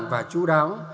và chú đáo